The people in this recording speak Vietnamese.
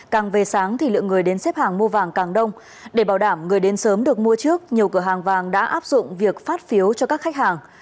càng về sáng thì lượng người đến xếp hàng mua vàng càng đông để bảo đảm người đến sớm được mua trước nhiều cửa hàng vàng đã áp dụng việc phát phiếu cho các khách hàng